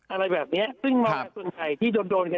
อะไรแบบนี้ซึ่งมากับส่วนใหญ่ที่โดน